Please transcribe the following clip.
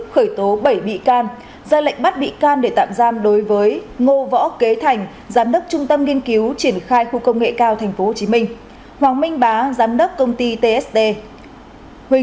khởi tố vụ án hình sự khởi tố vụ án hình sự khởi tố vụ án hình sự